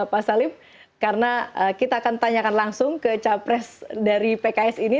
pak salib karena kita akan tanyakan langsung ke capres dari pks ini